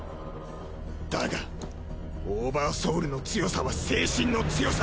だがオーバーソウルの強さは精神の強さ